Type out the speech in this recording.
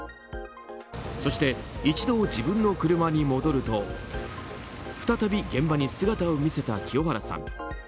そして一度、自分の車に戻ると再び現場に姿を見せた清原さん。